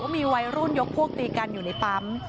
มีวัยรุ่นยกพวกตีกันอยู่ในปั๊ม